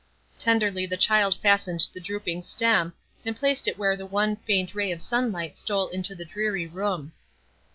Tenderly the child fastened the drooping stem, and placed it where the one faint ray of sunlight stole into the dreary room.